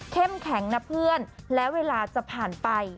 แข็งนะเพื่อนและเวลาจะผ่านไป